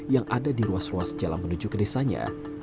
yang ada di ruas ruas jalan menuju ke desanya